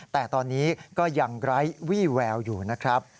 แต่ตอนนี้ก็ยังไร้วี่แววอยู่นะครับ